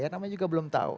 namanya juga belum tahu